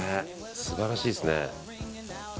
素晴らしいですね。